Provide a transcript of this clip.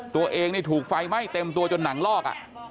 ตัวเองถูกไฟไหมเต็มตัวจนหนังลอกอ่ะ